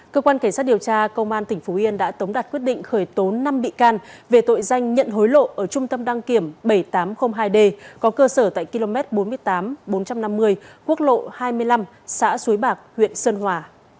cơ quan cảnh sát điều tra công an tỉnh phú yên đã tống đạt quyết định khởi tố năm bị can về tội danh nhận hối lộ ở trung tâm đăng kiểm bảy nghìn tám trăm linh hai d có cơ sở tại km bốn mươi tám bốn trăm năm mươi quốc lộ hai mươi năm xã suối bạc huyện sơn hòa